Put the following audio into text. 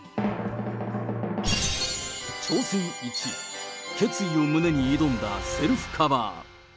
挑戦１、決意を胸に挑んだセルフカバー。